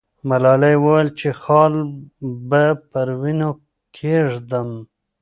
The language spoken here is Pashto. ملالۍ وویل چې خال به پر وینو کښېږدم.